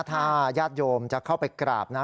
ถ้าญาติโยมจะเข้าไปกราบนะ